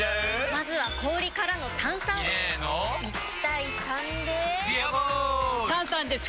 まずは氷からの炭酸！入れの１：３で「ビアボール」！